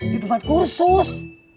di tempat kursus